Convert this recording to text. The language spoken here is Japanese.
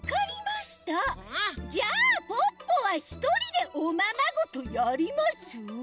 じゃあポッポはひとりでおままごとやります。